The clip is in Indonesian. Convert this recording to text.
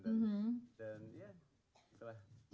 dan ya itulah